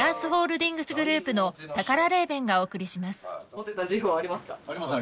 モテた自負はありますか？